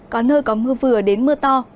có nơi có mưa vừa đến mưa to